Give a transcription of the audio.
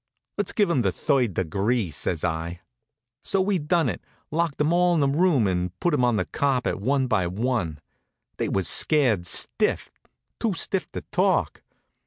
"Let's give 'em the third degree," says I. So we done it, locked 'em all in a room and put 'em on the carpet one by one. They was scared stiff, too stiff to talk.